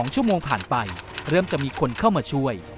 ๒ชั่วโมงผ่านไปเริ่มจะมีคนเข้ามาช่วย